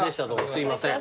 すいません。